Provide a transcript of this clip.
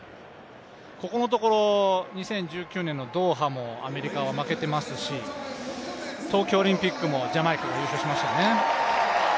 ここのところ２０１９年のドーハもアメリカは負けていますし、東京オリンピックもジャマイカが優勝しましたよね。